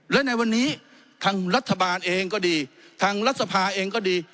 และในวันนี้ทางรัฐบาลเองก็ดีทางรัฐสภาเองก็ดี